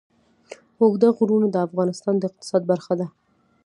اوږده غرونه د افغانستان د اقتصاد برخه ده.